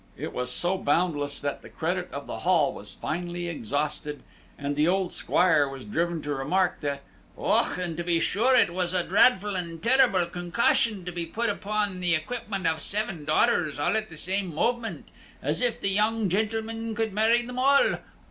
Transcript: It was so boundless that the credit of the Hall was finally exhausted, and the old Squire was driven to remark that "Och, and to be sure it was a dreadful and tirrabell concussion, to be put upon the equipment of seven daughters all at the same moment, as if the young gentleman could marry them all!